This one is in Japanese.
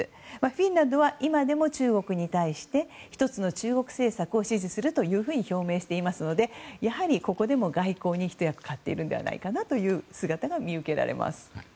フィンランドは今でも中国に対して一つの中国政策を支持すると表明していますのでやはりここでも外交にひと役買っているのではという姿が見受けられます。